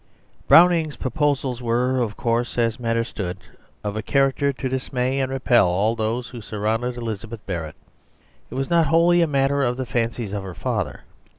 Browning's proposals were, of course, as matters stood, of a character to dismay and repel all those who surrounded Elizabeth Barrett. It was not wholly a matter of the fancies of her father.